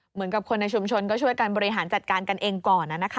เหมือนกับคนในชุมชนก็ช่วยกันบริหารจัดการกันเองก่อน